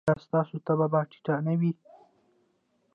ایا ستاسو تبه به ټیټه نه وي؟